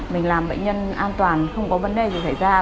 mình làm bệnh nhân an toàn không có vấn đề gì xảy ra